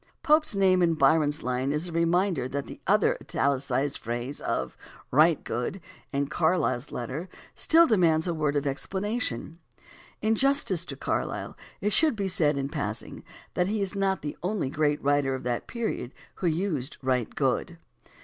Pope's name in Byron's line is a reminder that the other italicized phrase of "right good" in Carlyle's letter still demands a word of explanation. In justice to Carlyle it should be said, in passing, that he is not the only great writer of that period who used "right good."